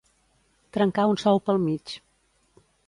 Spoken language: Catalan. Trencar un sou pel mig.